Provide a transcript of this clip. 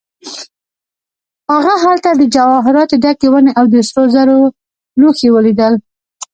هغه هلته د جواهراتو ډکې ونې او د سرو زرو لوښي ولیدل.